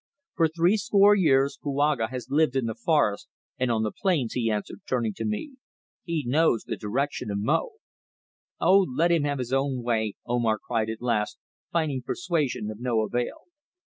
"For three score years Kouaga has lived in the forest and on the plains," he answered, turning to me. "He knows the direction of Mo." "Oh, let him have his own way," Omar cried at last, finding persuasion of no avail.